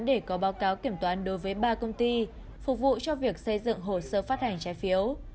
để có báo cáo kiểm toán đối với ba công ty phục vụ cho việc xây dựng hồ sơ phát hành trái phiếu